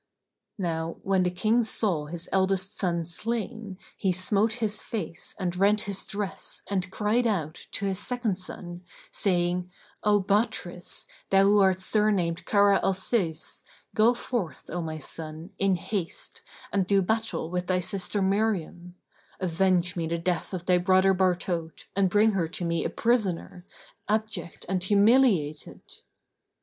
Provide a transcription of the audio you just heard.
Now when the King saw his eldest son slain, he smote his face and rent his dress and cried out to his second son, saying, "O Batrъs, thou who art surnamed Khara al Sъs,[FN#13] go forth, O my son, in haste and do battle with thy sister Miriam; avenge me the death of thy brother Bartaut and bring her to me a prisoner, abject and humiliated!"